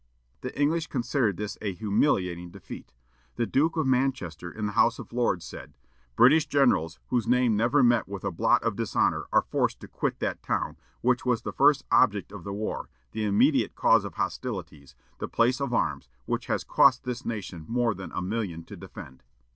The English considered this a humiliating defeat. The Duke of Manchester, in the House of Lords, said: "British generals, whose name never met with a blot of dishonor, are forced to quit that town, which was the first object of the war, the immediate cause of hostilities, the place of arms, which has cost this nation more than a million to defend."